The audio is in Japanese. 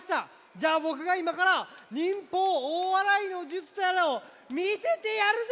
じゃあぼくがいまから忍法おおわらいの術とやらをみせてやるぜ！